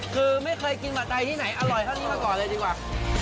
คือไม่เคยกินผัดไทยที่ไหนอร่อยเท่านี้มาก่อนเลยดีกว่า